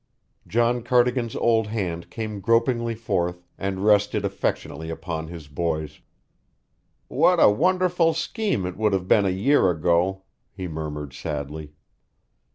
John Cardigan's old hand came gropingly forth and rested affectionately upon his boy's. "What a wonderful scheme it would have been a year ago," he murmured sadly.